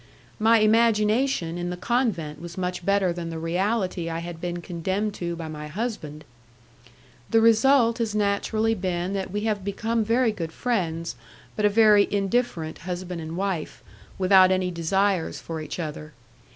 My imagination in the convent was much better than the reality I had been condemned to by my husband! The result has naturally been that we have become very good friends, but a very indifferent husband and wife, without any desires for each other.